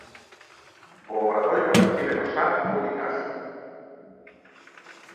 O Obradoiro recibe no Sar o Unicaja.